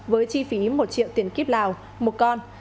với chi phí một triệu tiền kiếp lào một con